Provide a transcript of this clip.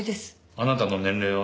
あなたの年齢は？